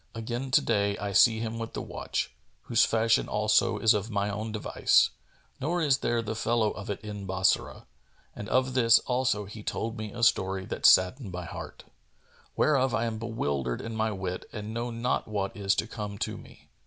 Again to day I see him with the watch, whose fashion also is of my own device, nor is there the fellow of it in Bassorah, and of this also he told me a story that saddened my heart. Wherefore I am bewildered in my wit and know not what is to come to me."